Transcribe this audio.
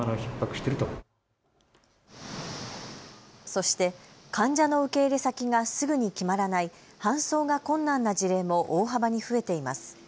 そして患者の受け入れ先がすぐに決まらない搬送が困難な事例も大幅に増えています。